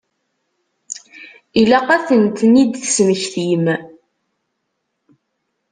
Ilaq ad tent-id-tesmektim.